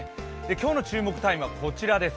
今日の注目タイムはこちらです。